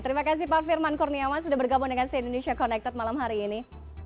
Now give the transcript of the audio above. terima kasih pak firman kurniawan sudah bergabung dengan si indonesia connected malam hari ini